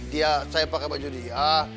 dia saya pakai baju dia